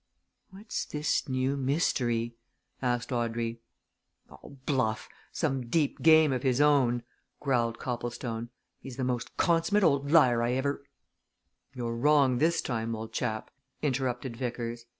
"What's this new mystery?" asked Audrey. "All bluff! some deep game of his own," growled Copplestone. "He's the most consummate old liar I ever " "You're wrong this time, old chap!" interrupted Vickers.